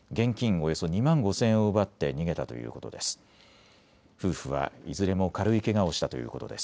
およそ２万５０００円を奪って逃げたということです。